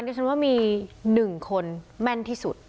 ดิฉันว่ามี๑คนแม่นที่สุด